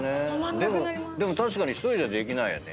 でも確かに１人じゃできないよね。